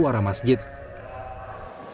pemerintah juga mengeras suara masjid